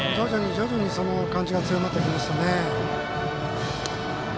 徐々にその感じが強まってきましたね。